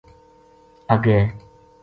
اَگے